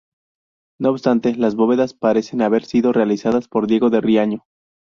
No obstante, las bóvedas parecen haber sido realizadas por Diego de Riaño.